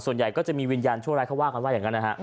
ส่วนใหญ่ก็จะมีวิญญาณชั่วร้ายเขาว่ากันว่าอย่างนั้นนะฮะ